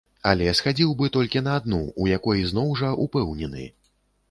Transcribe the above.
Але схадзіў бы толькі на адну, у якой, зноў, жа упэўнены!